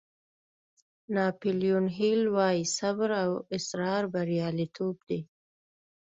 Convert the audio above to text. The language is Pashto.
ناپیلیون هیل وایي صبر او اصرار بریالیتوب دی.